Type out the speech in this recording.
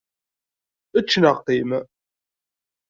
Ečč neɣ qqim!